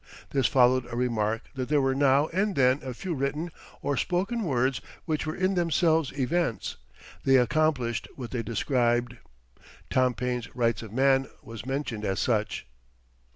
This followed a remark that there were now and then a few written or spoken words which were in themselves events; they accomplished what they described. Tom Paine's "Rights of Man" was mentioned as such.